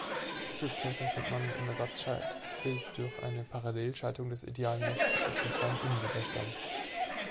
Dieses kennzeichnet man im Ersatzschaltbild durch eine Parallelschaltung des idealen Messgerätes mit seinem Innenwiderstand.